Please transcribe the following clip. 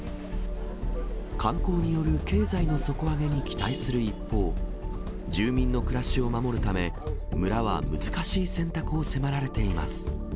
観光による経済の底上げに期待する一方、住民の暮らしを守るため、村は難しい選択を迫られています。